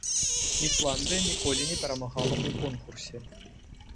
Ісландыя ніколі не перамагала ў конкурсе.